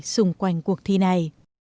xung quanh cuộc thi này